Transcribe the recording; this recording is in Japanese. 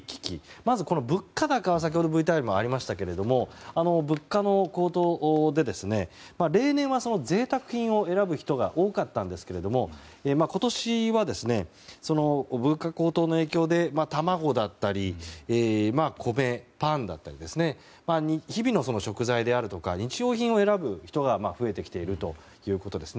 まずこの物価高は先ほどＶＴＲにもありましたが物価の高騰で、例年は贅沢品を選ぶ人が多かったんですが今年は、物価高騰の影響で卵だったり、米、パンだったり日々の食材であるとか日用品を選ぶ人が増えてきているということです。